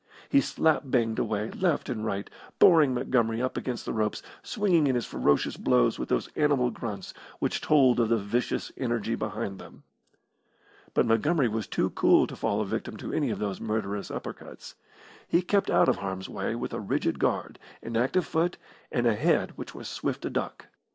He slap banged away left and right, boring Montgomery up against the ropes, swinging in his ferocious blows with those animal grunts which told of the vicious energy behind them. But Montgomery was too cool to fall a victim to any of those murderous upper cuts. He kept out of harm's way with a rigid guard, an active foot, and a head which was swift to duck.